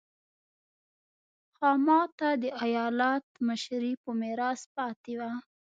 خاما ته د ایالت مشري په میراث پاتې وه.